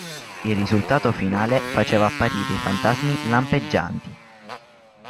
Il risultato finale faceva apparire i fantasmi lampeggianti.